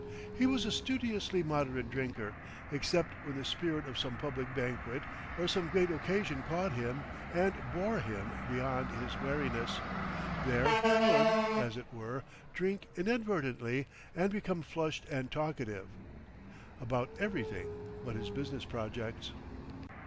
He was a studiously moderate drinker—except when the spirit of some public banquet or some great occasion caught him and bore him beyond his wariness—there he would, as it were, drink inadvertently and become flushed and talkative—about everything but his business projects.